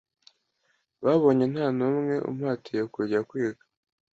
bobonye ntanumwe umpatiye kujya kwiga